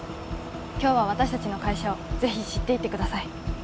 今日は私達の会社をぜひ知っていってください